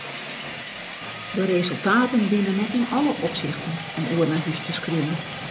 De resultaten binne net yn alle opsichten om oer nei hús te skriuwen.